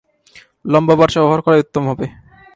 লম্বা বর্শা ব্যবহার করাই উত্তম হবে।